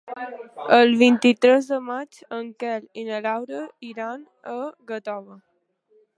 El vint-i-tres de maig en Quel i na Laura iran a Gàtova.